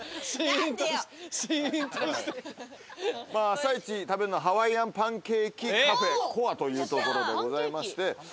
朝イチ食べるのはハワイアンパンケーキカフェＫＯＡという所でございまして。